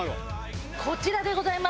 こちらでございます。